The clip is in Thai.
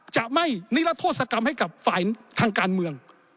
จะไม่นิรัทธศกรรมให้กับฝ่ายทางการเมือง